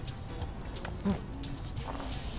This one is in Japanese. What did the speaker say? うん。